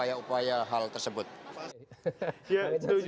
apa yang diputuskan